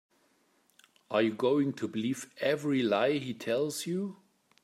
Are you going to believe every lie he tells you?